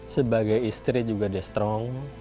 sebagai istri juga dia strong